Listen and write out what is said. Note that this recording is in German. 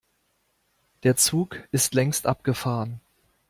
Der Zug ist längst abgefahren.